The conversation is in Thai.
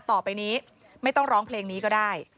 ต่อไปนี้ไม่ต้องร้องเพลงนี้ก็ได้